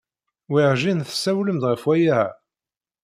Werjin tessawlem-d ɣef waya-a.